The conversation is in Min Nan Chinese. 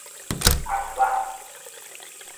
牽挽